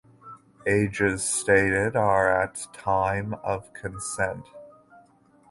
Ages stated are at time of contest.